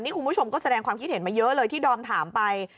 คุณผู้ชมก็แสดงความคิดเห็นมาเยอะเลยที่ดอมถามไป